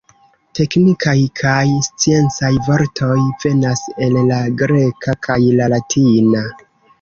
Teknikaj kaj sciencaj vortoj venas el la greka kaj la latina.